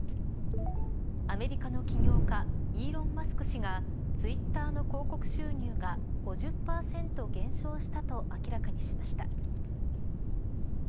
アメリカの起業家イーロン・マスク氏がツイッターの広告収入が５０％減少したと明らかにしました。